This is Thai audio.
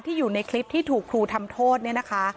ที่อยู่ในคลิปที่ถูกครูทำโทษนะคะ